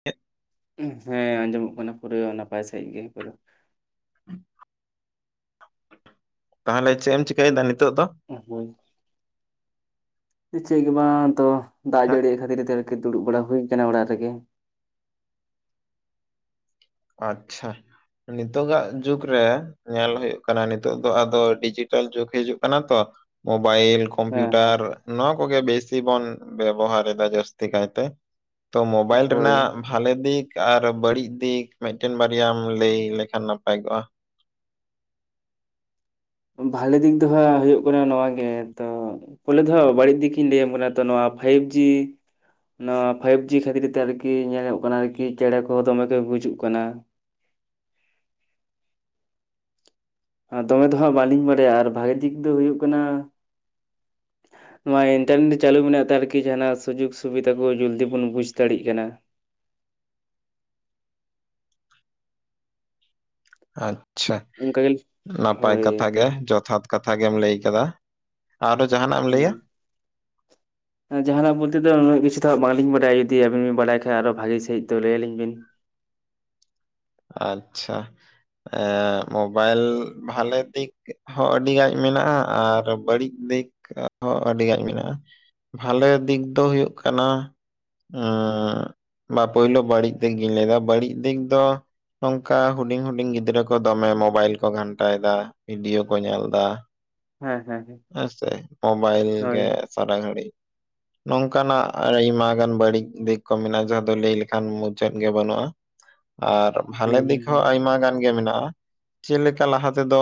[unintelligible] ᱦᱮᱸ ᱟᱸᱡᱚᱢᱚᱜ ᱠᱟᱱᱟ ᱯᱩᱨᱟᱹ ᱱᱟᱯᱟᱭ ᱥᱟᱺᱦᱤᱡ ᱜᱮ ᱯᱩᱨᱟᱹ ᱛᱟᱦᱚᱞᱮ ᱪᱮᱫ ᱮᱢ ᱪᱤᱠᱟᱹᱭᱮᱫᱟ ᱱᱤᱛᱚᱜ ᱫᱚ [unintelligible] ᱪᱮᱫ ᱜᱮ ᱵᱟᱝ ᱛᱚ ᱫᱟᱜ ᱦᱮᱸ ᱡᱟᱹᱲᱤ ᱠᱷᱟᱹᱛᱤᱨ ᱛᱮ ᱟᱨᱠᱤ ᱫᱩᱲᱩᱵ ᱵᱟᱲᱟ ᱦᱩᱭ ᱠᱟᱱᱟ ᱚᱲᱟᱜ ᱨᱮᱜᱮ ᱟᱪᱪᱷᱟ ᱱᱤᱛᱚᱜᱟᱜ ᱡᱩᱜᱽ ᱨᱮ ᱧᱮᱞ ᱦᱩᱭᱩᱜ ᱠᱟᱱᱟ ᱱᱤᱛᱚᱜ ᱫᱚ ᱟᱫᱚ ᱰᱤᱡᱤᱴᱟᱞ ᱡᱩᱜᱽ ᱦᱤᱡᱩᱜ ᱠᱟᱱᱟ ᱛᱚ ᱢᱳᱵᱟᱭᱤᱞ ᱦᱮᱸ ᱠᱚᱢᱯᱤᱭᱩᱴᱟᱨ ᱦᱮᱸ ᱱᱚᱣᱟ ᱠᱚᱜᱮ ᱵᱮᱥᱤ ᱵᱚᱱ ᱵᱮᱵᱚᱦᱟᱨ ᱮᱫᱟ ᱡᱟᱹᱥᱛᱤ ᱠᱟᱭᱛᱮ ᱛᱚ ᱢᱳᱵᱟᱭᱤᱞ ᱦᱳᱭ ᱨᱮᱱᱟᱜ ᱵᱷᱟᱞᱮ ᱫᱤᱠ ᱟᱨ ᱵᱟᱹᱲᱤᱡ ᱫᱤᱠ ᱢᱤᱫᱴᱮᱱ ᱵᱟᱨᱭᱟᱢ ᱞᱟᱹᱭ ᱞᱮᱠᱷᱟᱱ ᱱᱟᱯᱟᱭ ᱠᱚᱜᱼᱟ ᱵᱷᱟᱞᱮ ᱫᱤᱠ ᱫᱚ ᱦᱟᱸᱜ ᱦᱩᱭᱩᱜ ᱠᱟᱱᱟ ᱱᱚᱣᱟᱜᱮ ᱛᱚ ᱯᱚᱭᱞᱳ ᱫᱚ ᱵᱟᱹᱲᱤᱡ ᱫᱤᱠᱤᱧ ᱞᱟᱹᱭᱟᱢ ᱠᱟᱱᱟ ᱛᱚ ᱱᱚᱣᱟ ᱯᱷᱟᱭᱤᱵ ᱡᱤ ᱱᱚᱣᱟ ᱯᱷᱟᱭᱤᱵ ᱡᱤ ᱠᱷᱟᱹᱛᱤᱨ ᱛᱮ ᱟᱨᱠᱤ ᱧᱮᱞᱚᱜ ᱠᱟᱱᱟ ᱟᱨᱠᱤ ᱪᱮᱬᱮ ᱠᱚᱦᱚᱸ ᱫᱚᱢᱮ ᱠᱚ ᱜᱩᱡᱩᱜ ᱠᱟᱱᱟ ᱟᱨ ᱫᱚᱢᱮ ᱫᱚ ᱦᱟᱸᱜ ᱵᱟᱹᱞᱤᱧ ᱵᱟᱲᱟᱭᱟ ᱟᱨ ᱵᱷᱟᱜᱤ ᱫᱤᱠ ᱫᱚ ᱦᱩᱭᱩᱜ ᱠᱟᱱᱟ ᱱᱚᱣᱟ ᱤᱱᱴᱟᱨᱱᱮᱴ ᱪᱟᱹᱞᱩ ᱢᱮᱱᱟᱜ ᱛᱮ ᱟᱨᱠᱤ ᱡᱟᱦᱱᱟᱜ ᱥᱩᱡᱳᱜᱽ ᱥᱩᱵᱤᱫᱷᱟ ᱠᱚ ᱡᱚᱞᱫᱤ ᱵᱚᱱ ᱵᱩᱡᱽ ᱫᱟᱲᱮᱭᱟᱜ ᱠᱟᱱᱟ ᱟᱪᱪᱷᱟ ᱚᱱᱠᱟ ᱜᱮ ᱱᱟᱯᱟᱭ ᱦᱳᱭ ᱠᱟᱛᱷᱟ ᱜᱮ ᱡᱚᱛᱷᱟᱛ ᱠᱟᱛᱷᱟ ᱜᱮᱢ ᱞᱟᱹᱭ ᱠᱟᱫᱟ ᱟᱨᱦᱚ ᱡᱟᱦᱟᱸᱱᱟᱜ ᱮᱢ ᱦᱩᱸ ᱞᱟᱹᱭᱟ ᱡᱟᱦᱟᱱᱟᱜ ᱵᱳᱞᱛᱮ ᱫᱚ ᱩᱱᱟᱜ ᱠᱤᱪᱷᱩ ᱵᱟᱝᱞᱤᱧ ᱵᱟᱲᱟᱭᱟ ᱡᱩᱫᱤ ᱟᱵᱤᱱ ᱵᱤᱱ ᱵᱟᱲᱟᱭ ᱠᱷᱟᱡ ᱟᱨᱦᱚ ᱵᱷᱟᱜᱤ ᱥᱟᱦᱤᱡ ᱛᱚ ᱞᱟᱹᱭᱟᱞᱤᱧ ᱵᱤᱱ ᱟᱪᱪᱷᱟ ᱢᱳᱵᱟᱭᱤᱞ ᱵᱷᱟᱞᱮ ᱫᱤᱠ ᱦᱚᱸ ᱟᱹᱰᱤᱜᱟᱱ ᱢᱮᱱᱟᱜᱼᱟ ᱟᱨ ᱵᱟᱹᱲᱤᱡ ᱫᱤᱠ ᱦᱚᱸ ᱟᱹᱰᱤᱜᱟᱱ ᱢᱮᱱᱟᱜᱼᱟ ᱵᱷᱟᱞᱮ ᱫᱤᱠ ᱫᱚ ᱦᱩᱭᱩᱜ ᱠᱟᱱᱟ ᱵᱟ ᱯᱩᱭᱞᱩ ᱵᱟᱹᱲᱤᱡ ᱫᱤᱠᱤᱧ ᱞᱟᱹᱭ ᱫᱟ ᱵᱟᱹᱲᱤᱡ ᱫᱤᱠ ᱫᱚ ᱱᱚᱝᱠᱟ ᱦᱩᱰᱤᱧ ᱦᱩᱰᱤᱧ ᱜᱤᱫᱽᱨᱟᱹ ᱠᱚ ᱫᱚᱢᱮ ᱢᱚᱵᱟᱭᱤᱞ ᱠᱚ ᱜᱷᱟᱱᱴᱟᱭᱮᱫᱟ ᱵᱷᱤᱰᱤᱭᱳ ᱠᱚ ᱧᱮᱞ ᱮᱫᱟ ᱦᱮᱸ ᱦᱮᱸ ᱦᱮᱸ ᱦᱮᱸᱥᱮ ᱢᱳᱵᱟᱭᱤᱞ ᱦᱳᱭ ᱜᱮ ᱥᱟᱨᱟ ᱜᱷᱟᱹᱲᱤᱡ ᱱᱚᱝᱠᱟᱱᱟᱜ ᱟᱭᱢᱟ ᱜᱟᱱ ᱵᱟᱹᱲᱤᱡ ᱫᱤᱠ ᱠᱚ ᱢᱮᱱᱟᱜᱼᱟ ᱡᱟᱦᱟᱸ ᱫᱚ ᱞᱟᱹᱭ ᱞᱮᱠᱷᱟᱱ ᱢᱩᱪᱟᱹᱫ ᱜᱮ ᱵᱟᱹᱱᱩᱜᱼᱟ [inaudible] ᱟᱨ ᱵᱷᱟᱞᱮ ᱦᱩᱸ ᱫᱤᱠ ᱦᱩᱸ ᱦᱚᱸ ᱦᱩᱸ ᱟᱭᱢᱟ ᱜᱟᱱ ᱜᱮ ᱢᱮᱱᱟᱜᱼᱟ ᱪᱮᱫ ᱞᱮᱠᱟ ᱞᱟᱦᱟ ᱛᱮᱫᱚ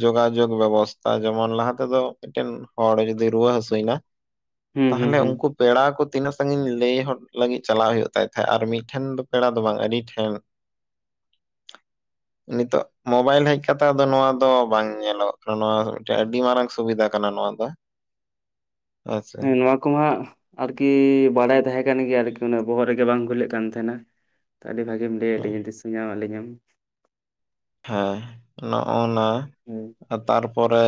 ᱡᱳᱜᱟᱡᱳᱜᱽ ᱵᱮᱵᱚᱥᱛᱷᱟ ᱡᱮᱢᱚᱱ ᱞᱟᱦᱟᱛᱮ ᱛᱚ ᱢᱤᱫᱴᱮᱱ ᱦᱚᱲ ᱡᱩᱫᱤ ᱨᱩᱣᱟᱹ ᱦᱟᱹᱥᱩᱭᱮᱱᱟ ᱦᱩᱸ ᱦᱩᱸ ᱛᱟᱦᱚᱞᱮ ᱦᱩᱸ ᱩᱱᱠᱩ ᱯᱮᱲᱟ ᱠᱚ ᱛᱤᱱᱟᱹᱜ ᱥᱟᱺᱜᱤᱧ ᱞᱟᱹᱭ ᱦᱚᱫ ᱞᱟᱹᱜᱤᱫ ᱪᱟᱞᱟᱜ ᱦᱩᱭᱩᱜ ᱛᱟᱦᱮᱸᱫ ᱟᱨ ᱢᱤᱫᱴᱷᱮᱱ ᱫᱚ ᱯᱮᱲᱟ ᱫᱚ ᱵᱟᱝ ᱟᱹᱰᱤ ᱴᱷᱮᱱ [inaudible] ᱱᱤᱛᱚᱜ ᱢᱳᱵᱟᱭᱤᱞ ᱦᱮᱡ ᱠᱟᱛᱮ ᱱᱚᱣᱟ ᱫᱚ ᱵᱟᱝ ᱧᱮᱞᱚᱜ ᱠᱟᱱᱟ ᱱᱚᱣᱟ ᱢᱤᱫᱴᱮᱱ ᱟᱹᱰᱤ ᱢᱟᱨᱟᱝ ᱥᱩᱵᱤᱫᱷᱟ ᱠᱟᱱᱟ ᱱᱚᱣᱟ ᱫᱚ ᱦᱮᱸᱥᱮ ᱦᱮᱸ ᱱᱚᱣᱟ ᱠᱚᱢᱟᱜ ᱟᱨᱠᱤ ᱵᱟᱲᱟᱭ ᱛᱟᱦᱮᱸ ᱠᱟᱱ ᱜᱮᱭᱟ ᱟᱨᱠᱤ ᱩᱱᱟᱹᱜ ᱵᱚᱦᱚᱜ ᱨᱮᱜᱮ ᱵᱟᱝ ᱵᱷᱩᱞᱟᱹᱜ ᱠᱟᱱ ᱛᱟᱦᱮᱸᱱᱟ ᱟᱹᱰᱤ ᱵᱷᱟᱹᱜᱮᱢ ᱞᱟᱹᱭᱟᱫ ᱞᱤᱧᱟ ᱫᱤᱥᱟᱹ ᱧᱟᱢ ᱟᱹᱞᱤᱧᱟᱢ ᱦᱮᱸ ᱱᱚᱜ ᱚᱭ ᱱᱟᱭ ᱦᱳᱭ ᱛᱟᱨᱯᱚᱨᱮ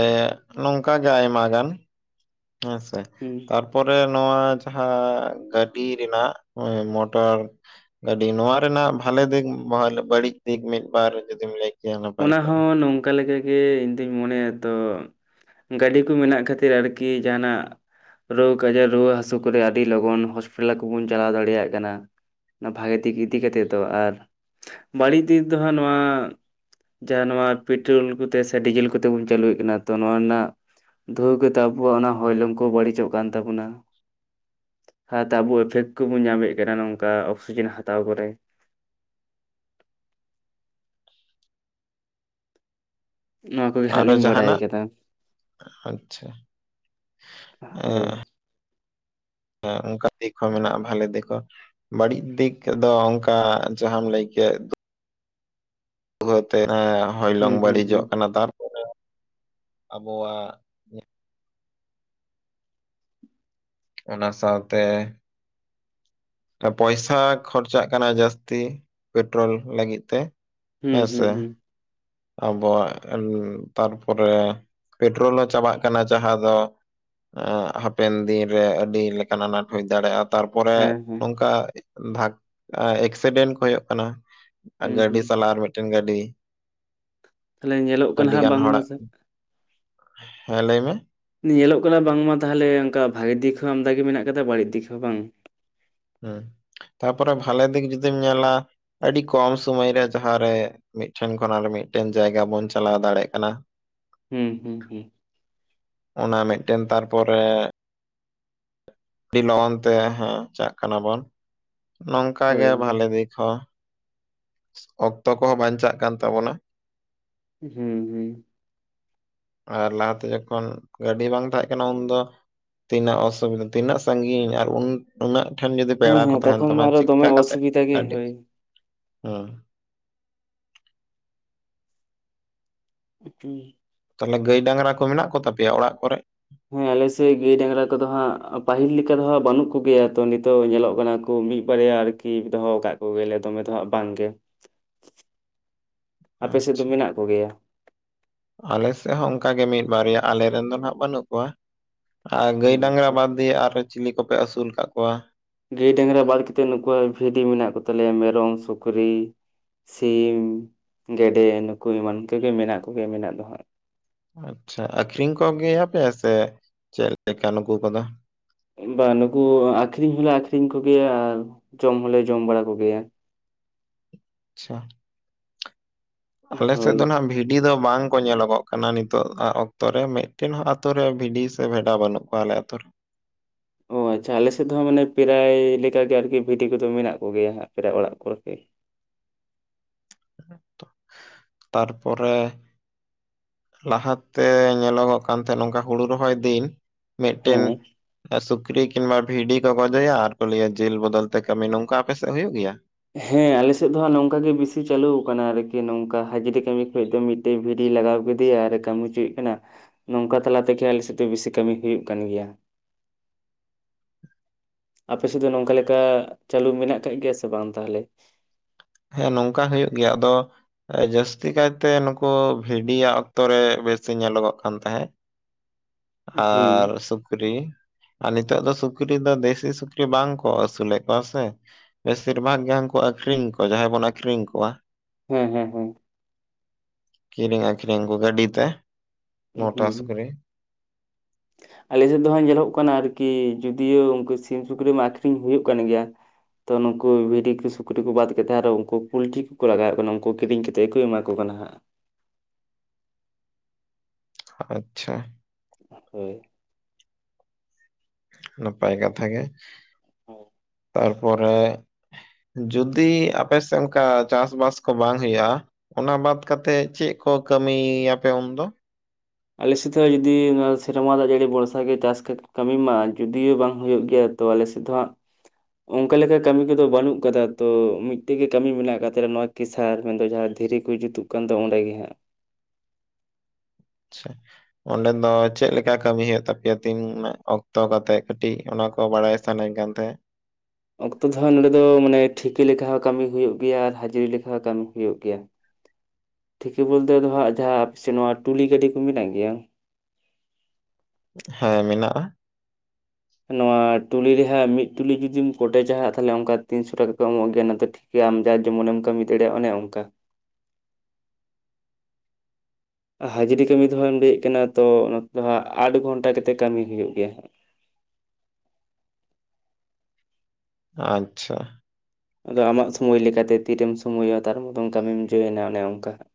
ᱱᱚᱝᱠᱟ ᱜᱮ ᱟᱭᱢᱟ ᱜᱟᱱ ᱦᱮᱸ ᱥᱮ ᱛᱟᱨ ᱦᱩᱸ ᱛᱟᱨᱯᱚᱨᱮ ᱱᱚᱣᱟ ᱡᱟᱦᱟᱸ ᱜᱟᱹᱰᱤ ᱨᱮᱱᱟᱜ ᱢᱚᱴᱚᱨ ᱜᱟᱹᱰᱤ ᱱᱚᱣᱟ ᱨᱮᱱᱟᱜ ᱵᱷᱟᱞᱮ ᱫᱤᱠ ᱵᱟᱹᱲᱤᱡ ᱫᱤᱠ ᱢᱤᱫᱵᱟᱨ ᱡᱩᱫᱤᱢ ᱞᱟᱹᱭ ᱠᱮᱭᱟ ᱱᱟᱯᱟᱭ ᱚᱱᱟ ᱠᱚᱜᱼᱟ ᱦᱚᱸ ᱱᱚᱝᱠᱟ ᱞᱮᱠᱟᱜᱮ ᱤᱧᱫᱩᱧ ᱢᱚᱱᱮᱭᱟ ᱛᱚ ᱜᱟᱹᱰᱤ ᱠᱚ ᱢᱮᱱᱟᱜ ᱠᱷᱟᱹᱛᱤᱨ ᱟᱨᱠᱤ ᱡᱟᱦᱟᱱᱟᱜ ᱨᱳᱜᱽ ᱟᱡᱟᱨ ᱨᱩᱣᱟᱹ ᱦᱟᱹᱥᱩ ᱠᱚᱨᱮ ᱟᱹᱰᱤ ᱞᱚᱜᱚᱱ ᱦᱚᱥᱯᱤᱴᱟᱞ ᱠᱚᱵᱚᱱ ᱪᱟᱞᱟᱣ ᱫᱟᱲᱮᱭᱟᱜ ᱠᱟᱱᱟ ᱱᱚᱣᱟ ᱵᱷᱟᱜᱮ ᱫᱤᱠ ᱤᱫᱤ ᱠᱟᱛᱮᱫ ᱫᱚ ᱟᱨ ᱵᱟᱹᱲᱤᱡ ᱫᱤᱠ ᱫᱚ ᱦᱟᱸᱜ ᱱᱚᱣᱟ ᱡᱟᱦᱟᱸ ᱱᱚᱣᱟ ᱯᱮᱴᱨᱳᱞ ᱠᱚᱛᱮ ᱥᱮ ᱰᱤᱡᱮᱞ ᱠᱚᱛᱮ ᱵᱚᱱ ᱪᱟᱹᱞᱩᱭᱮᱫ ᱠᱟᱱᱟ ᱛᱚ ᱱᱚᱣᱟ ᱨᱮᱱᱟᱜ ᱫᱷᱩᱶᱟ ᱠᱚᱛᱮ ᱟᱵᱚᱣᱟᱜ ᱚᱱᱟ ᱦᱚᱭᱞᱚᱝ ᱠᱚ ᱵᱟᱹᱲᱤᱡᱚᱜ ᱠᱟᱱ ᱛᱟᱵᱚᱱᱟ ᱥᱟᱶᱛᱮ ᱟᱵᱚ ᱮᱯᱷᱮᱠᱴ ᱠᱚᱵᱚᱱ ᱧᱟᱢᱮᱫ ᱠᱟᱱᱟ ᱱᱚᱝᱠᱟ ᱚᱠᱥᱤᱡᱮᱱ ᱦᱟᱛᱟᱣ ᱠᱚᱨᱮ ᱱᱚᱣᱟ ᱠᱚᱜᱮ ᱦᱟᱸᱜ ᱟᱨᱦᱚ ᱞᱤᱧ ᱵᱟᱰᱟᱭ ᱡᱟᱦᱱᱟᱜ ᱠᱟᱫᱟ ᱟᱪᱪᱷᱟ ᱦᱳᱭ [unintelligible] ᱦᱮᱸ ᱚᱱᱠᱟ ᱫᱤᱠ ᱦᱚᱸ ᱢᱮᱱᱟᱜᱼᱟ ᱵᱷᱟᱞᱮ ᱫᱤᱠ ᱦᱚᱸ ᱵᱟᱹᱲᱤᱡ ᱫᱤᱠ ᱫᱚ ᱚᱱᱠᱟ ᱡᱟᱦᱟᱸᱢ ᱞᱟᱹᱭ ᱠᱮᱫ ᱵᱚ ᱛᱮ ᱨᱮ ᱦᱚᱭᱞᱚᱝ ᱦᱩᱸ ᱦᱩᱸ ᱦᱩᱸ ᱵᱟᱹᱲᱤᱡᱚᱜ ᱠᱟᱱᱟ, ᱛᱟᱨᱯᱚᱨᱮ ᱟᱵᱚᱣᱟᱜ ᱚᱱᱟ ᱥᱟᱶ ᱛᱮ ᱚ ᱯᱚᱭᱥᱟ ᱠᱷᱚᱨᱪᱟᱜ ᱠᱟᱱᱟ ᱡᱟᱹᱥᱛᱤ ᱯᱮᱴᱨᱳᱞ ᱞᱟᱹᱜᱤᱫ ᱛᱮ ᱾ ᱦᱩᱸ-ᱦᱩᱸ-ᱦᱩᱸ ᱾ ᱟᱵᱚᱣᱟᱜ ᱩᱢ ᱛᱟᱨᱯᱚᱨᱮ ᱯᱮᱴᱨᱳᱞ ᱦᱚᱸ ᱪᱟᱵᱟᱜ ᱠᱟᱱᱟ ᱡᱟᱦᱟᱸ ᱫᱚ ᱦᱟᱯᱮᱱ ᱫᱤᱱ ᱨᱮ ᱟᱹᱰᱤ ᱞᱮᱠᱟᱱ ᱟᱱᱟᱴ ᱦᱩᱭ ᱫᱟᱲᱮᱜᱼᱟ ᱾ ᱛᱟᱨᱯᱚᱨᱮ ᱦᱮᱸ ᱦᱮᱸ ᱱᱚᱝᱠᱟ ᱫᱷᱟᱠ-ᱟ ᱮᱠᱥᱤᱰᱮᱱᱴ ᱠᱚ ᱦᱩᱭᱩᱜ ᱠᱟᱱᱟ ᱾ ᱦᱩᱸ ᱜᱟᱹᱰᱤ ᱦᱩᱸ ᱥᱟᱞᱟ ᱟᱨ ᱢᱤᱫᱴᱮᱱ ᱜᱟᱹᱰᱤ ᱾ ᱠᱟᱱᱤᱧ ᱧᱮᱞᱚᱜ ᱠᱟᱱᱟ ᱟᱹᱰᱤ ᱦᱟᱸᱜ ᱜᱟᱱ ᱵᱟᱝᱢᱟ ᱦᱚᱲᱟᱜ, ᱥᱮ ᱦᱮᱸ ᱞᱟᱹᱭ ᱢᱮ? ᱧᱮᱞᱚᱜ ᱠᱟᱱᱟ ᱵᱟᱝᱢᱟ ᱛᱟᱦᱟᱞᱮ ᱚᱱᱠᱟ ᱵᱷᱟᱜᱮ ᱫᱤᱠ ᱦᱚᱸ ᱟᱢᱫᱟ ᱜᱮ ᱢᱮᱱᱟᱜ ᱠᱟᱫᱟ ᱵᱟᱹᱲᱤᱡ ᱫᱤᱠ ᱦᱚᱸ ᱵᱟᱝ ᱦᱩᱸ, ᱛᱟᱯᱚᱨᱮ ᱵᱷᱟᱞᱮ ᱫᱤᱠ ᱡᱩᱫᱤᱢ ᱧᱮᱞᱟ ᱟᱹᱰᱤ ᱠᱚᱢ ᱥᱚᱢᱚᱭ ᱨᱮ ᱡᱟᱦᱟᱸ ᱨᱮ ᱢᱤᱫᱴᱷᱮᱱ ᱠᱷᱚᱱ ᱟᱨ ᱢᱤᱫᱴᱮᱱ ᱡᱟᱭᱜᱟ ᱵᱚᱱ ᱪᱟᱞᱟᱣ ᱫᱟᱲᱮᱜ ᱠᱟᱱᱟ ᱾ ᱦᱩᱸ, ᱦᱩᱸ ᱾ ᱚᱱᱟ ᱢᱤᱫᱴᱮᱱ ᱛᱟᱨᱯᱚᱨᱮ ᱟᱹᱰᱤ ᱞᱚᱜᱚᱱ ᱛᱮ ᱦᱮᱸ ᱪᱟᱜ ᱠᱟᱱᱟ ᱵᱚᱱ, ᱱᱚᱝᱠᱟ ᱦᱳᱭ ᱜᱮ ᱦᱳᱭ ᱵᱷᱟᱞᱮ ᱫᱤᱠ ᱦᱚᱸ ᱾ ᱚᱠᱛᱚ ᱠᱚᱦᱚᱸ ᱵᱟᱧᱪᱟᱜ ᱠᱟᱱ ᱛᱟᱵᱚᱱᱟ ᱾ ᱦᱩᱸ, ᱦᱩᱸ ᱾ ᱟᱨ ᱞᱟᱦᱟᱛᱮ ᱡᱚᱠᱷᱚᱱ ᱜᱟᱹᱰᱤ ᱵᱟᱝ ᱛᱟᱦᱮᱸᱜ ᱠᱟᱱᱟ, ᱩᱱᱫᱚ ᱛᱤᱱᱟᱹᱜ ᱚᱥᱩᱵᱤᱫᱟ ᱛᱤᱱᱟᱹᱜ ᱥᱟᱺᱜᱤᱧ ᱟᱨ ᱩᱱ ᱩᱱᱟᱹᱜ ᱴᱷᱮᱱ ᱡᱩᱫᱤ ᱯᱮᱲᱟ ᱠᱚ ᱦᱮᱸ ᱛᱟᱸᱦᱮᱱ ᱛᱚᱠᱷᱚᱱ ᱢᱟ ᱛᱟᱢᱟ ᱟᱨᱚ ᱫᱚᱢᱮ ᱪᱮᱫᱠᱟ ᱠᱟᱛᱮᱜ ᱚᱥᱩᱵᱤᱫᱟ ᱜᱮ ᱟᱹᱰᱤ, ᱦᱳᱭ ᱦᱩᱸ ᱾ ᱩ ᱪᱩᱝ ᱛᱟᱦᱚᱞᱮ ᱜᱟᱹᱭ ᱰᱟᱝᱨᱟ ᱠᱚ ᱢᱮᱱᱟᱜ ᱠᱚ ᱛᱟᱯᱮᱭᱟ ᱚᱲᱟᱜ ᱠᱚᱨᱮ? ᱦᱩᱸ ᱟᱞᱮ ᱥᱮ ᱜᱟᱹᱭ ᱰᱟᱝᱨᱟ ᱠᱚᱫᱚ ᱦᱟᱸᱜ ᱯᱟᱹᱦᱤᱞ ᱞᱮᱠᱟ ᱫᱚ ᱦᱟᱸᱜ ᱵᱟᱹᱱᱩᱜ ᱠᱚᱜᱮᱭᱟ ᱛᱚ ᱱᱤᱛᱚᱜ ᱧᱮᱞᱚᱜ ᱠᱟᱱᱟ ᱾ ᱠᱳ ᱢᱤᱜ ᱵᱟᱨᱭᱟ ᱟᱨᱠᱤ ᱫᱚᱦᱚᱣ ᱠᱟᱜ ᱠᱚᱜᱮᱭᱟᱞᱮ ᱫᱚᱢᱮ ᱫᱚ ᱦᱟᱸᱜ ᱵᱟᱝ ᱜᱮ ᱾ ᱟᱪᱪᱷᱟ ᱾ ᱟᱞᱮ ᱥᱮᱜ ᱦᱚᱸ ᱚᱱᱠᱟ ᱜᱮ ᱢᱤᱜ ᱵᱟᱨᱮᱭᱟ ᱟᱞᱮ ᱨᱮᱱ ᱫᱚ ᱱᱟᱦᱟᱸᱜ ᱵᱟᱹᱱᱩᱜ ᱠᱚᱣᱟ ᱾ ᱟᱨ ᱚ ᱜᱟᱹᱭ ᱰᱟᱝᱨᱟ ᱟᱪᱪᱷᱟ ᱵᱟᱫ ᱫᱤᱭᱮ ᱟᱨᱦᱚᱸ ᱪᱤᱞᱤ ᱠᱚᱯᱮ ᱟᱹᱥᱩᱞ ᱠᱟᱜ ᱠᱚᱣᱟ? ᱜᱟᱹᱭ ᱰᱟᱝᱨᱟ ᱵᱟᱫ ᱠᱟᱛᱮᱫ ᱱᱩᱠᱩ ᱵᱷᱤᱰᱤ ᱢᱮᱱᱟᱜ ᱠᱚ ᱛᱟᱞᱮᱭᱟ, ᱢᱮᱨᱚᱢ, ᱥᱩᱠᱨᱤ ᱾ ᱥᱤᱢ, ᱜᱮᱰᱮ ᱱᱩᱠᱩ ᱮᱢᱟᱱ ᱠᱚᱜᱮ ᱢᱮᱱᱟᱜ ᱠᱚᱜᱮᱭᱟ ᱢᱮᱱᱟᱜ ᱫᱚ ᱦᱟᱸᱜ ᱾ ᱟᱪᱪᱷᱟ, ᱟᱠᱷᱨᱤᱧ ᱠᱚ ᱜᱮᱭᱟᱯᱮ ᱥᱮ ᱪᱮᱜ ᱞᱮᱠᱟ ᱱᱩᱠᱩ ᱠᱚᱫᱚ? ᱵᱟ ᱱᱩᱠᱩ ᱟᱠᱷᱨᱤᱧ ᱦᱚᱞᱮ ᱟᱠᱷᱨᱤᱧ ᱠᱚ ᱜᱮᱭᱟ ᱟᱨ ᱡᱚᱢ ᱦᱚᱞᱮ ᱡᱚᱢ ᱵᱟᱲᱟ ᱠᱚ ᱜᱮᱭᱟ ᱾ ᱪᱷᱟ ᱾ ᱟᱞᱮ ᱥᱮᱫ ᱦᱳᱭ ᱫᱚ ᱱᱟᱦᱟᱜ ᱵᱷᱤᱰᱤ ᱫᱚ ᱵᱟᱝ ᱠᱚ ᱧᱮᱞᱚᱜᱚᱜ ᱠᱟᱱᱟ ᱱᱤᱛᱚᱜ ᱟᱜ ᱚᱠᱛᱚ ᱨᱮ ᱢᱤᱫ ᱴᱮᱱ ᱦᱚᱸ ᱟᱛᱳ ᱨᱮ ᱵᱷᱤᱰᱤ ᱥᱮ ᱵᱷᱮᱰᱟ ᱵᱟᱹᱱᱩᱜ ᱠᱚᱣᱟ ᱟᱞᱮ ᱟᱛᱳ ᱨᱮ ᱾ ᱚ ᱟᱪᱪᱷᱟ, ᱟᱞᱮ ᱥᱮᱫ ᱫᱚ ᱦᱚᱸ ᱦᱟᱜ ᱢᱟᱱᱮ ᱯᱨᱟᱭ ᱞᱮᱠᱟ ᱜᱮ ᱟᱨᱠᱤ ᱵᱷᱤᱴᱤ ᱠᱚᱫᱚ ᱢᱮᱱᱟᱜ ᱠᱚ ᱜᱮᱭᱟ ᱦᱟᱸᱜ ᱯᱨᱟᱭ ᱚᱲᱟᱜ ᱠᱚᱨᱮ ᱜᱮ ᱾ ᱛᱟᱨᱯᱚᱨᱮ ᱾ ᱞᱟᱦᱟ ᱛᱮ ᱧᱮᱞᱚᱜᱚᱜ ᱠᱟᱱ ᱛᱟᱦᱮᱸ ᱱᱚᱝᱠᱟ ᱦᱩᱲᱩ ᱨᱚᱦᱚᱭ ᱫᱤᱱ ᱾ ᱦᱮᱸ ᱢᱤᱫᱴᱮᱱ ᱥᱩᱠᱨᱤ ᱠᱤᱝᱵᱟ ᱵᱷᱤᱰᱤ ᱠᱚ ᱜᱚᱫᱮᱭᱟ ᱟᱨ ᱠᱚ ᱞᱟᱹᱭᱟ ᱡᱤᱞ ᱵᱚᱫᱚᱞ ᱛᱮ ᱠᱟᱹᱢᱤ, ᱱᱚᱝᱠᱟ ᱟᱯᱮ ᱥᱮᱫ ᱦᱩᱭᱩᱜ ᱜᱮᱭᱟ? ᱦᱮᱸ, ᱟᱞᱮ ᱥᱮᱫ ᱫᱚ ᱦᱟ ᱱᱚᱝᱠᱟ ᱜᱮ ᱵᱤᱥᱤ ᱪᱟᱹᱞᱩᱣ ᱠᱟᱱᱟ ᱟᱨᱠᱤ ᱱᱚᱝᱠᱟ ᱦᱟᱡᱽᱨᱤ ᱠᱟᱹᱢᱤ ᱠᱷᱚᱡ ᱫᱚ ᱢᱤᱫ ᱛᱚ ᱵᱷᱤᱲᱤᱭ ᱞᱟᱜᱟᱣ ᱠᱮᱫᱮᱭᱟ ᱟᱨ ᱠᱟᱹᱢᱤ ᱪᱩᱭᱮᱜ ᱠᱟᱱᱟ ᱾ ᱱᱚᱝᱠᱟ ᱛᱟᱞᱟ ᱛᱮᱜᱮ ᱟᱞᱮ ᱥᱮᱫ ᱫᱚ ᱵᱤᱥᱤ ᱠᱟᱹᱢᱤ ᱦᱩᱭᱩᱜ ᱠᱟᱱ ᱜᱮᱭᱟ ᱾ ᱟᱯᱮ ᱥᱮᱫ ᱫᱚ ᱚᱱᱮ ᱚᱝᱠᱟ ᱞᱮᱠᱟ ᱪᱟᱹᱞᱩ ᱢᱮᱱᱟᱜ ᱠᱟᱜ ᱜᱮᱭᱟ ᱥᱮ ᱵᱟᱝ ᱛᱟᱦᱚᱞᱮ? ᱦᱮᱸ ᱱᱚᱝᱠᱟ ᱦᱩᱭᱩᱜ ᱜᱮᱭᱟ, ᱟᱫᱚ ᱡᱟᱹᱥᱛᱤ ᱠᱟᱭᱛᱮ ᱱᱩᱠᱩ ᱵᱷᱤᱰᱤᱭᱟᱜ ᱚᱠᱛᱚ ᱨᱮ ᱵᱮᱥᱤ ᱧᱮᱞᱚᱜᱚᱜ ᱠᱟᱱ ᱛᱟᱦᱮᱸᱫ᱾ [inaudible] ᱟᱨ ᱥᱩᱠᱨᱤ ᱟᱨ ᱱᱤᱛᱚᱜ ᱫᱚ ᱥᱩᱠᱨᱤ ᱫᱚ ᱫᱮᱥᱤ ᱥᱩᱠᱨᱤ ᱵᱟᱝ ᱠᱚ ᱟᱹᱥᱩᱞᱮᱫ ᱠᱚᱣᱟ ᱥᱮ? ᱵᱮᱥᱤᱨ ᱵᱷᱟᱜᱽ ᱜᱮ ᱦᱟᱝᱠᱩ ᱟᱠᱷᱨᱤᱧ ᱠᱚ ᱡᱟᱦᱟᱸᱭ ᱵᱚᱱ ᱟᱠᱷᱨᱤᱧ ᱠᱚᱣᱟ ᱾ ᱦᱮᱸ-ᱦᱮᱸ-ᱦᱮᱸ ᱾ ᱠᱤᱨᱤᱧ ᱟᱠᱷᱨᱤᱧ ᱠᱚ ᱜᱟᱹᱰᱤ ᱛᱮ ᱾ ᱩᱸᱜ ᱦᱩᱸ ᱾ ᱟᱞᱮ ᱥᱮᱫ ᱫᱚ ᱦᱟᱜ ᱧᱮᱞᱚᱜ ᱠᱟᱱᱟ ᱟᱨᱠᱤ ᱡᱚᱫᱤᱭᱳ ᱩᱱᱠᱩ ᱥᱤᱢ ᱥᱩᱠᱨᱤ ᱢᱟ ᱟᱠᱷᱨᱤᱧ ᱦᱩᱭᱩᱜ ᱠᱟᱱ ᱜᱮᱭᱟ ᱛᱚ ᱱᱩᱠᱩ ᱵᱷᱤᱰᱤ ᱠᱚ ᱥᱩᱠᱨᱤ ᱠᱚ ᱵᱟᱫ ᱠᱟᱛᱮ ᱟᱨᱦᱚᱸ ᱩᱱᱠᱩ ᱯᱩᱞᱴᱨᱤ ᱠᱚᱠᱚ ᱞᱟᱜᱟᱣ ᱮᱫ ᱠᱟᱱᱟ ᱩᱱᱠᱩ ᱠᱤᱨᱤᱧ ᱠᱟᱛᱮᱫ ᱜᱮᱠᱚ ᱮᱢᱟ ᱠᱚ ᱟᱠᱚ ᱠᱟᱱᱟ ᱦᱟᱸᱜ᱾ ᱟᱪᱪᱷᱟ ᱦᱳᱭ ᱱᱟᱯᱟᱭ ᱠᱟᱛᱷᱟ ᱜᱮ᱾ ᱦᱩᱸ ᱛᱟᱨᱯᱚᱨᱮ ᱡᱩᱚᱫᱤ ᱟᱯᱮᱥᱮᱫ ᱚᱱᱠᱟ ᱪᱟᱥ ᱵᱟᱥ ᱠᱚ ᱵᱟᱝ ᱦᱩᱭᱩᱜᱼᱟ ᱚᱱᱟ ᱵᱟᱫ ᱠᱟᱛᱮᱜ ᱪᱮᱫ ᱠᱚ ᱠᱟᱹᱢᱤᱭᱟᱯᱮ ᱩᱱᱫᱚ? ᱟᱞᱮ ᱥᱮᱫ ᱫᱚ ᱡᱩᱫᱤ ᱱᱚᱣᱟ ᱥᱮᱨᱢᱟ ᱫᱟᱜ ᱡᱟᱹᱲᱤ ᱵᱚᱨᱥᱟ ᱜᱮ ᱪᱟᱥ ᱠᱟᱹᱢᱤ ᱢᱟ ᱡᱩᱫᱤᱭᱳ ᱵᱟᱝ ᱦᱩᱭᱩᱜ ᱜᱮᱭᱟ ᱛᱚ ᱟᱞᱮ ᱥᱮᱫᱷᱚ ᱦᱚᱸᱜ ᱚᱱᱠᱟ ᱞᱮᱠᱟ ᱠᱟᱹᱢᱤ ᱠᱚᱫᱚ ᱵᱟᱹᱱᱩᱜ ᱟᱠᱟᱫᱟ ᱛᱚ ᱢᱤᱫᱴᱮᱡ ᱜᱮ ᱠᱟᱹᱢᱤ ᱢᱮᱱᱟᱜ ᱟᱠᱟᱫ ᱛᱟᱞᱮ ᱱᱚᱣᱟ ᱠᱮᱥᱟᱨ ᱢᱮᱱᱫᱚ ᱡᱟᱦᱟᱸ ᱫᱷᱤᱨᱤ ᱠᱚ ᱡᱩᱛᱩᱜ ᱠᱟᱱ ᱫᱚ ᱚᱸᱰᱮ ᱜᱮ ᱦᱟᱸᱜ᱾ ᱟᱪᱪᱷᱟ ᱚᱸᱰᱮᱱ ᱫᱚ ᱪᱮᱫ ᱞᱮᱠᱟ ᱠᱟᱹᱢᱤ ᱦᱩᱭᱩᱜ ᱛᱟᱯᱮᱭᱟ ᱛᱤᱱ ᱚᱠᱛᱚ ᱠᱟᱛᱮᱜ ᱠᱟᱹᱴᱤᱡ ᱚᱱᱟᱠᱚ ᱵᱟᱲᱟᱭ ᱥᱟᱱᱟᱧ ᱠᱟᱱ ᱛᱟᱦᱮᱫ᱾ ᱚᱠᱛᱚ ᱫᱚ ᱦᱟᱸᱜ ᱱᱚᱸᱰᱮ ᱫᱚ ᱢᱟᱱᱮ ᱴᱷᱤᱠᱟᱹ ᱞᱮᱠᱷᱟ ᱦᱚᱸ ᱠᱟᱹᱢᱤ ᱦᱩᱭᱩᱜ ᱜᱮᱭᱟ ᱟᱨ ᱦᱟᱹᱡᱨᱤ ᱞᱮᱠᱟ ᱦᱚᱸ ᱠᱟᱹᱢᱤ ᱦᱩᱭᱩᱜ ᱜᱮᱭᱟ᱾ ᱴᱷᱤᱠᱮ ᱵᱚᱞᱛᱮ ᱫᱚ ᱦᱟᱸᱜ ᱡᱟᱦᱟᱸ, ᱥᱮ ᱱᱚᱣᱟ ᱴᱩᱞᱤ ᱜᱟᱹᱰᱤ ᱠᱚ ᱢᱮᱱᱟᱜ ᱜᱮᱭᱟ? ᱦᱮᱸ ᱢᱮᱱᱟᱜᱼᱟ᱾ ᱱᱚᱣᱟ ᱴᱩᱞᱤᱮ ᱦᱟᱸᱜ ᱢᱤᱫ ᱴᱩᱞᱤ ᱡᱩᱫᱤᱢ ᱠᱚᱴᱮᱡᱟᱜ ᱛᱟᱦᱚᱞᱮ ᱚᱱᱠᱟ ᱛᱤᱱᱥᱚ ᱴᱟᱠᱟ ᱠᱚ ᱮᱢᱚᱜ ᱜᱮᱭᱟ ᱚᱱᱟ ᱫᱚ ᱴᱷᱤᱠ ᱠᱮ ᱟᱢ ᱡᱟᱨ ᱡᱮᱢᱚᱱ ᱮᱢ ᱠᱟᱹᱢᱤ ᱫᱟᱲᱮᱭᱟᱜᱼᱟ ᱚᱱᱮ ᱚᱱᱠᱟ᱾ ᱦᱟᱹᱡᱨᱤ ᱠᱟᱹᱢᱤ ᱫᱚᱦ ᱟᱢ ᱞᱟᱹᱭᱮᱫ ᱠᱟᱱᱟ ᱛᱚ ᱱᱚᱛᱮ ᱫᱚ ᱦᱟᱸᱜ ᱟᱴ ᱜᱷᱚᱱᱴᱟ ᱠᱟᱛᱮᱜ ᱠᱟᱹᱢᱤ ᱦᱩᱭᱩᱜ ᱜᱮᱭᱟ᱾ ᱟᱪᱪᱷᱟ ᱟᱫᱚ ᱟᱢᱟᱜ ᱥᱚᱢᱚᱭ ᱞᱮᱠᱟᱛᱮ ᱛᱤᱨᱮᱢ ᱥᱚᱢᱳᱭᱚᱜᱼᱟ ᱛᱟᱨ ᱢᱚᱛᱚᱱ ᱠᱟᱹᱢᱤᱢ ᱡᱚᱭᱮᱱᱟ ᱚᱱᱮ ᱚᱱᱠᱟ ᱦᱟᱸ᱾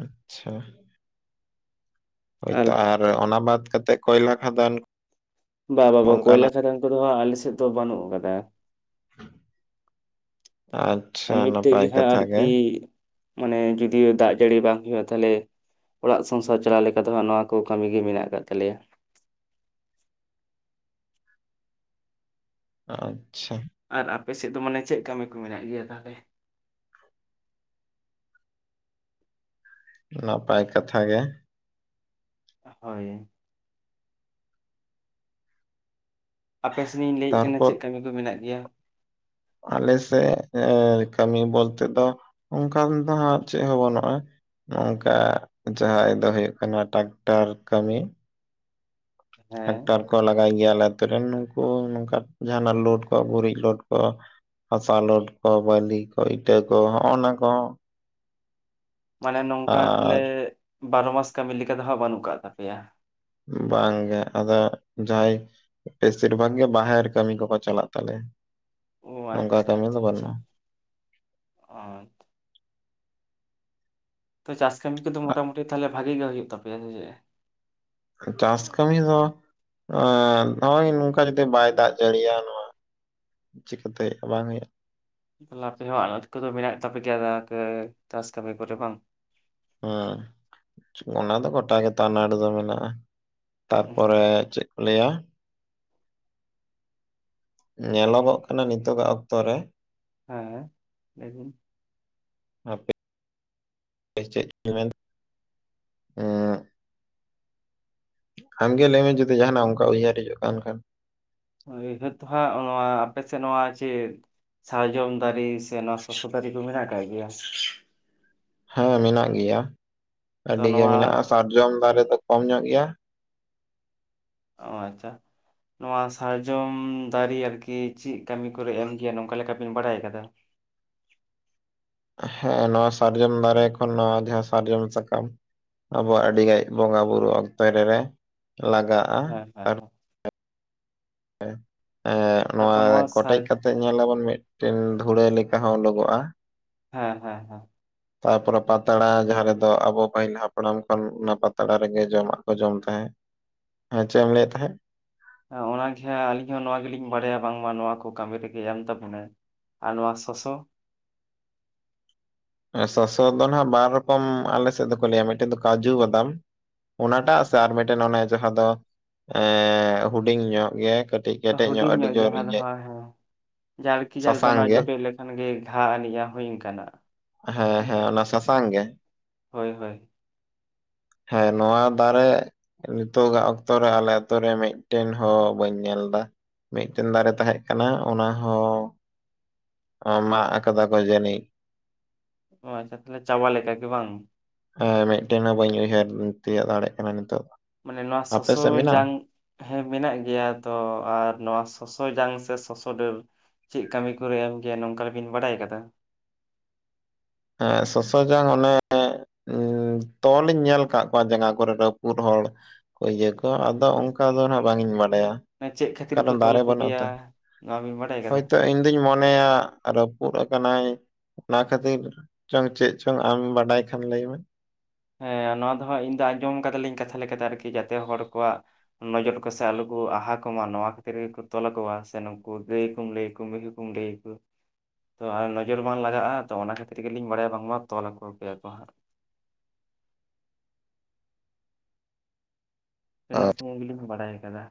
ᱟᱪᱪᱷᱟ ᱦᱳᱭᱛᱳ ᱟᱨ ᱚᱱᱟ ᱵᱟᱫ ᱠᱟᱛᱮᱜ ᱠᱚᱭᱞᱟ ᱠᱷᱟᱫᱟᱱ ᱵᱟ ᱵᱟᱵᱟ ᱠᱚᱭᱞᱟ ᱚᱱᱠᱟᱱᱟᱜ ᱠᱷᱟᱫᱟᱱ ᱠᱚᱫᱚ ᱦᱟᱸᱜ ᱟᱞᱮ ᱥᱮᱫ ᱫᱚ ᱵᱟᱹᱱᱩᱜ ᱟᱠᱟᱫᱟ᱾ ᱟᱨ ᱢᱤᱫᱴᱮᱡ ᱜᱮ ᱦᱟᱸᱜ ᱟᱨᱠᱤ ᱢᱟᱱᱮ ᱡᱩᱫᱤ ᱫᱟᱜ ᱡᱟᱹᱲᱤ ᱵᱟᱝ ᱦᱩᱭᱩᱜᱼᱟ ᱛᱟᱦᱚᱞᱮ ᱚᱲᱟᱜ ᱥᱚᱝᱥᱟᱨ ᱪᱟᱞᱟᱣ ᱞᱮᱠᱟ ᱫᱚ ᱦᱟᱸᱜ ᱱᱚᱣᱟ ᱠᱚ ᱠᱟᱹᱢᱤ ᱜᱮ ᱢᱮᱱᱟᱜ ᱟᱠᱟᱫ ᱛᱟᱞᱮᱭᱟ᱾ ᱟᱪᱪᱷᱟ ᱟᱨ ᱟᱯᱮ ᱥᱮᱫ ᱫᱚ ᱢᱟᱱᱮ ᱪᱮᱫ ᱠᱟᱹᱢᱤ ᱠᱚ ᱢᱮᱱᱟᱜ ᱜᱮᱭᱟ ᱛᱟᱦᱚᱞᱮ? ᱱᱟᱯᱟᱭ ᱠᱟᱛᱷᱟ ᱜᱮ᱾ ᱦᱳᱭ ᱟᱯᱮᱥᱮᱱ ᱤᱧ ᱞᱟᱹᱭᱮᱫ ᱠᱟᱱᱟ ᱛᱟᱨᱯᱚᱨ ᱪᱮᱫ ᱠᱟᱹᱢᱤ ᱠᱚ ᱢᱮᱱᱟᱜ ᱜᱮᱭᱟ? ᱟᱞᱮ ᱥᱮᱫ ᱠᱟᱹᱢᱤ ᱵᱚᱞᱛᱮ ᱫᱚ ᱚᱱᱠᱟ ᱫᱚ ᱦᱟᱸᱜ ᱪᱮᱫ ᱦᱚᱸ ᱵᱟᱹᱱᱩᱜᱼᱟ᱾ ᱱᱚᱝᱠᱟ ᱡᱟᱦᱟᱸᱭ ᱫᱚ ᱦᱩᱭᱩᱜ ᱠᱟᱱᱟ ᱴᱟᱠᱴᱟᱨ ᱠᱟᱹᱢᱤ᱾ ᱦᱮᱸ ᱴᱨᱟᱠᱴᱟᱨ ᱠᱚ ᱞᱟᱜᱟᱭ ᱜᱮᱭᱟ ᱟᱞᱮ ᱟᱛᱩ ᱨᱮᱱ ᱱᱩᱠᱩ ᱱᱚᱝᱠᱟ ᱡᱟᱦᱱᱟᱜ ᱞᱳᱰ ᱠᱚ ᱜᱩᱨᱤᱡ ᱞᱳᱰ ᱠᱚ ᱦᱟᱥᱟ ᱞᱳᱰ ᱠᱚ ᱵᱟᱞᱤ ᱠᱚ ᱤᱴᱟᱹ ᱠᱚ ᱦᱚᱜ-ᱚ ᱱᱟ ᱠᱚ ᱢᱟᱱᱮ ᱱᱚᱝᱠᱟ ᱛᱟᱦᱚᱞᱮ ᱟᱨ ᱵᱟᱨᱚ ᱢᱟᱥ ᱠᱟᱹᱢᱤ ᱞᱮᱠᱟ ᱫᱚ ᱦᱟᱸᱜ ᱵᱟᱹᱱᱩᱜ ᱠᱟᱜ ᱛᱟᱯᱮᱭᱟ? ᱵᱟᱝᱜᱮ ᱟᱫᱚ ᱡᱟᱦᱟᱸᱭ ᱵᱮᱥᱤᱨ ᱵᱷᱟᱜᱽ ᱜᱮ ᱵᱟᱦᱮᱨ ᱠᱟᱹᱢᱤ ᱠᱚᱠᱚ ᱪᱟᱞᱟᱜ ᱛᱟᱞᱮᱭᱟ ᱚ ᱱᱚᱝᱠᱟ ᱟᱪᱪᱷᱟ ᱠᱟᱹᱢᱤ ᱫᱚ ᱟᱪᱪᱷᱟ ᱟᱪᱪᱷᱟ ᱵᱟᱹᱱᱩᱜᱼᱟ᱾ ᱚ ᱛᱚ ᱪᱟᱥ ᱠᱟᱹᱢᱤ ᱠᱚᱫᱚ ᱢᱚᱴᱟᱢᱩᱴᱤ ᱛᱟᱦᱚᱞᱮ ᱵᱷᱟᱜᱤ ᱜᱮ ᱦᱩᱭᱩᱜ ᱛᱟᱯᱮᱭᱟ ᱥᱮᱪᱮᱫ? ᱪᱟᱥ ᱠᱟᱹᱢᱤ ᱦᱚ ᱮᱻᱮ ᱱᱚᱜᱼᱚᱭ ᱱᱚᱝᱠᱟ ᱡᱩᱫᱤ ᱵᱟᱭ ᱫᱟᱜ ᱡᱟᱹᱲᱤᱭᱟ ᱱᱚᱣᱟ ᱪᱤᱠᱟᱹᱛᱮ ᱵᱟᱝ ᱦᱩᱭᱩᱜᱼᱟ? ᱮᱠᱞᱟ ᱛᱮᱦᱚ ᱟᱲᱚᱫ ᱠᱚᱫᱚ ᱢᱮᱱᱟᱜ ᱛᱟᱯᱮ ᱜᱮᱭᱟ ᱪᱟᱥ ᱠᱟᱹᱢᱤ ᱠᱚᱨᱮ ᱵᱟᱝ? ᱦᱩᱸ ᱚᱱᱟ ᱫᱚ ᱜᱚᱴᱟ ᱜᱮᱛᱚ ᱟᱱᱟᱴ ᱫᱚ ᱢᱮᱱᱟᱜᱼᱟ᱾ ᱛᱟᱨᱯᱚᱨᱮ ᱪᱮᱫ ᱠᱚ ᱞᱟᱹᱭᱟ ᱧᱮᱞᱚᱜᱚᱜ ᱠᱟᱱᱟ ᱱᱤᱛᱚᱜᱟᱜ ᱚᱠᱛᱚ ᱨᱮ ᱦᱮᱸ ᱞᱮᱭᱵᱤᱱ [unintelligible] ᱪᱮᱫ ᱢᱮᱱ ᱦᱮ ᱟᱢᱜᱮ ᱞᱟᱹᱭᱢᱮ ᱡᱩᱫᱤ ᱡᱟᱦᱟᱱᱟᱜ ᱚᱱᱠᱟ ᱩᱭᱦᱟᱹᱨ ᱦᱤᱡᱩᱜ ᱠᱟᱱ ᱠᱷᱟᱱ ᱩᱭᱦᱟᱹᱨ ᱫᱚ ᱦᱟᱸᱜ ᱱᱚᱣᱟ ᱟᱯᱮ ᱥᱮᱫ ᱱᱚᱣᱟ ᱪᱮᱫ ᱥᱟᱨᱡᱚᱢ ᱫᱟᱨᱮ ᱥᱮ ᱱᱚᱣᱟ ᱥᱚᱥᱚ ᱫᱟᱨᱮ ᱠᱚ ᱢᱮᱱᱟᱜ ᱟᱠᱟᱫ ᱜᱮᱭᱟ ᱦᱮᱸ ᱢᱮᱱᱟᱜ ᱜᱮᱭᱟ ᱛᱚ ᱟᱹᱰᱤ ᱜᱮ ᱱᱚᱣᱟ ᱢᱮᱱᱟᱜ-ᱟ ᱥᱟᱨᱡᱚᱢ ᱫᱟᱨᱮ ᱫᱚ ᱠᱚᱢ ᱧᱚᱜ ᱜᱮᱭᱟ ᱚ ᱟᱪᱪᱷᱟ ᱱᱚᱣᱟ ᱥᱟᱨᱡᱚᱢ ᱫᱟᱨᱮ ᱟᱨᱠᱤ ᱪᱮᱫ ᱠᱟᱹᱢᱤ ᱠᱚᱨᱮ ᱮᱢ ᱜᱮᱭᱟ ᱱᱚᱝᱠᱟ ᱞᱮᱠᱟ ᱵᱤᱱ ᱵᱟᱲᱟᱭ ᱠᱟᱫᱟ ᱦᱮᱸ ᱱᱚᱣᱟ ᱥᱟᱨᱡᱚᱢ ᱫᱟᱨᱮ ᱠᱷᱚᱱ ᱱᱚᱣᱟ ᱡᱟᱦᱟᱸ ᱥᱟᱨᱡᱚᱢ ᱥᱟᱠᱟᱢ ᱟᱵᱚᱣᱟᱜ ᱟᱹᱰᱤᱜᱟᱱ ᱵᱚᱸᱜᱟ ᱵᱩᱨᱩ ᱚᱠᱛᱚ ᱨᱮ ᱞᱟᱜᱟᱜ ᱟ ᱦᱮᱸ ᱦᱮᱸ ᱦᱮᱸ ᱮᱫ ᱱᱚᱣᱟ ᱛᱟᱨᱯᱚᱨ ᱠᱚᱴᱮᱡ ᱥᱟᱨ ᱠᱟᱛᱮ ᱧᱮᱞᱟᱵᱚᱱ ᱢᱤᱫᱴᱮᱱ ᱫᱷᱩᱲᱟᱹ ᱞᱮᱠᱟ ᱦᱚᱸ ᱳᱰᱳᱜᱚᱜ ᱟ ᱦᱮᱸ ᱦᱮᱸ ᱦᱮᱸ ᱛᱟᱯᱚᱨᱮ ᱯᱟᱛᱲᱟ ᱡᱟᱦᱟᱸ ᱨᱮᱫᱚ ᱟᱵᱚ ᱯᱟᱹᱦᱤᱞ ᱦᱟᱯᱲᱟᱢ ᱠᱷᱚᱱ ᱚᱱᱟ ᱯᱟᱛᱲᱟ ᱨᱮᱜᱮ ᱡᱚᱢᱟᱜ ᱠᱚ ᱡᱚᱢ ᱛᱟᱦᱮᱸᱫ ᱮᱸ ᱪᱮᱫ ᱮᱢ ᱞᱟᱹᱭᱮᱫ ᱛᱟᱦᱮᱸᱫ ᱚᱱᱟᱜᱮ ᱦᱟᱜ ᱟᱹᱞᱤᱧ ᱦᱚᱸ ᱱᱚᱣᱟ ᱜᱮᱞᱤᱧ ᱵᱟᱲᱟᱭᱟ ᱵᱟᱝᱢᱟ ᱱᱚᱣᱟ ᱠᱚ ᱠᱟᱹᱢᱤ ᱨᱮᱜᱮ ᱮᱢ ᱛᱟᱵᱚᱱᱟᱭ ᱟᱨ ᱱᱚᱣᱟ ᱥᱚᱥᱚ ᱥᱟᱥᱚ ᱫᱚ ᱟᱸᱜ ᱵᱟᱨ ᱨᱚᱠᱚᱢ ᱟᱞᱮ ᱥᱮᱫ ᱫᱚᱠᱚ ᱞᱟᱹᱭᱟ ᱢᱤᱫᱴᱮᱱ ᱫᱚ ᱠᱟᱡᱩ ᱵᱟᱫᱟᱢ ᱚᱱᱟᱴᱟᱜ ᱥᱮ ᱟᱨ ᱢᱤᱫᱴᱮᱱ ᱚᱱᱮ ᱡᱟᱦᱟᱸ ᱫᱚ ᱮ ᱦᱩᱰᱤᱧ ᱧᱚᱜ ᱜᱮᱭᱟ ᱦᱩᱰᱤᱧ ᱧᱚᱜ ᱡᱟᱦᱟᱸ ᱫᱚ ᱦᱳᱭ ᱦᱮᱸ ᱡᱟᱨᱠᱤ ᱡᱟᱞ ᱫᱚ ᱥᱟᱥᱟᱝ ᱚᱱᱟ ᱜᱮ ᱡᱚᱴᱮᱫ ᱞᱮᱠᱟ ᱠᱷᱟᱱ ᱜᱮ ᱜᱷᱟ ᱟᱹᱞᱤᱡᱟᱜ ᱦᱩᱭ ᱠᱟᱱᱟ ᱦᱮᱸ ᱦᱮᱸ ᱚᱱᱟ ᱟᱪᱪᱷᱟ ᱥᱟᱥᱟᱝ ᱜᱮ ᱦᱳᱭ ᱦᱳᱭ ᱦᱮᱸ ᱱᱚᱣᱟ ᱫᱟᱨᱮ ᱱᱤᱛᱚᱜᱟᱜ ᱚᱠᱛᱚᱨᱮ ᱟᱞᱮ ᱟᱹᱛᱩ ᱨᱮ ᱢᱤᱫᱴᱮᱱ ᱦᱚᱸ ᱵᱟᱹᱧ ᱧᱮᱞ ᱫᱟ ᱢᱤᱫᱴᱮᱱ ᱫᱟᱨᱮ ᱛᱟᱦᱮᱸ ᱠᱟᱱᱟ ᱚᱱᱟ ᱦᱚᱸ ᱚ ᱢᱟᱜ ᱠᱟᱫᱟᱠᱚ ᱡᱟᱹᱱᱤᱡ ᱚ ᱟᱪᱪᱷᱟ ᱛᱟᱦᱚᱞᱮ ᱪᱟᱵᱟ ᱞᱮᱠᱟ ᱜᱮ ᱵᱟᱝ ᱦᱮ ᱢᱤᱫᱴᱮᱱ ᱦᱚᱸ ᱵᱟᱹᱧ ᱩᱭᱦᱟᱹᱨ ᱛᱤᱭᱳᱜ ᱫᱟᱲᱮᱭᱟᱜ ᱠᱟᱱᱟ ᱱᱤᱛᱚᱜ ᱫᱚ ᱢᱟᱱᱮ ᱱᱚᱣᱟ ᱥᱚᱥᱚ ᱡᱟᱝ ᱦᱮᱸ ᱢᱮᱱᱟᱜ ᱜᱮᱭᱟ ᱛᱚ ᱟᱨ ᱱᱚᱣᱟ ᱥᱚᱥᱚ ᱡᱟᱝ ᱥᱮ ᱥᱚᱥᱚ ᱰᱟᱹᱨ ᱪᱮᱫ ᱠᱟᱹᱢᱤ ᱠᱚᱨᱮ ᱮᱢ ᱜᱮᱭᱟ ᱱᱚᱝᱠᱟ ᱜᱮᱵᱤᱱ ᱵᱟᱰᱟᱭ ᱠᱟᱫᱟ ᱮᱫ ᱥᱚᱥᱚ ᱡᱟᱝ ᱚᱱᱮ ᱛᱚᱞ ᱤᱧ ᱧᱮᱞ ᱟᱠᱟᱫ ᱠᱚᱣᱟ ᱡᱟᱸᱜᱟ ᱠᱚᱨᱮ ᱨᱟᱹᱯᱩᱫ ᱦᱚᱲ ᱠᱚ ᱤᱭᱟᱹ ᱠᱚ ᱟᱫᱚ ᱚᱱᱠᱟ ᱫᱚ ᱱᱟᱜ ᱵᱟᱝ ᱤᱧ ᱵᱟᱰᱟᱭᱟ ᱮ ᱪᱮᱫ ᱠᱷᱟᱹᱛᱤᱨ ᱠᱚ ᱠᱟᱨᱚᱱ ᱛᱚᱞ ᱫᱟᱨᱮ ᱠᱚ ᱵᱟᱹᱱᱩᱜ ᱜᱮᱭᱟ ᱟᱛᱚ᱾ ᱱᱚᱣᱟ ᱵᱤᱱ ᱵᱟᱰᱟᱭ ᱠᱟᱫᱟ ᱦᱚᱭᱛᱚ ᱤᱧ ᱫᱩᱧ ᱢᱚᱱᱮᱭᱟ ᱨᱟᱹᱯᱩᱫ ᱟᱠᱟᱱᱟᱭ ᱚᱱᱟ ᱠᱷᱟᱹᱛᱤᱨ ᱪᱚᱝ ᱪᱮᱫ ᱪᱚᱝ ᱟᱢ ᱵᱟᱰᱟᱭ ᱠᱷᱟᱱ ᱞᱟᱹᱭᱢᱮ ᱦᱮᱸ ᱱᱚᱣᱟ ᱫᱚ ᱦᱟᱸᱜ ᱤᱧᱫᱚ ᱟᱸᱡᱚᱢ ᱠᱟᱫᱟᱞᱤᱧ ᱠᱟᱛᱷᱟ ᱞᱮᱠᱟ ᱞᱮᱠᱟᱛᱮ ᱟᱨᱠᱤ ᱡᱟᱛᱮ ᱦᱚᱲ ᱠᱚᱣᱟᱜ ᱱᱚᱡᱚᱨ ᱠᱚᱥᱮ ᱟᱞᱚ ᱠᱚ ᱟᱦᱟ ᱠᱚᱢᱟ ᱱᱚᱣᱟ ᱠᱷᱟᱹᱛᱤᱨ ᱜᱮᱠᱚ ᱛᱚᱞ ᱟᱠᱚᱣᱟ ᱥᱮ ᱱᱩᱠᱩ ᱜᱟᱹᱭ ᱠᱚᱢ ᱞᱟᱹᱭ ᱠᱚ ᱢᱮᱦᱩ ᱠᱚᱢ ᱞᱟᱹᱭ ᱛᱚ ᱱᱚᱡᱚᱨ ᱵᱟᱝ ᱞᱟᱜᱟᱜ-ᱟ ᱛᱚ ᱚᱱᱟ ᱠᱷᱟᱹᱛᱤᱨ ᱜᱮᱞᱤᱧ ᱵᱟᱲᱟᱭᱟ ᱵᱟᱝᱢᱟ ᱛᱚᱞ ᱟᱠᱚ ᱜᱮᱭᱟ ᱠᱚ ᱦᱟᱸᱜ ᱩᱱᱟᱹᱜ ᱥᱚᱢᱚᱭ ᱜᱮᱞᱤᱧ ᱵᱟᱲᱟᱭ ᱠᱟᱫᱟ